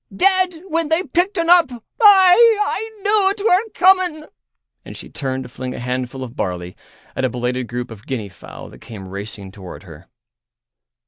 Dead when they picked un up. Aye, I knew 'twere coming." And she turned to fling a handful of barley at a belated group of guinea fowl that came racing toward her.